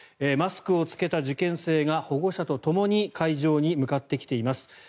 マスクを着けた受験生が保護者とともに会場に向かってきています。